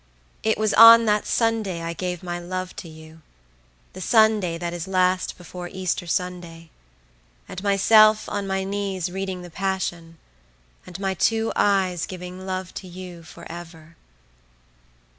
It was on that Sunday I gave my love to you; the Sunday that is last before Easter Sunday. And myself on my knees reading the Passion; and my two eyes giving love to you for ever.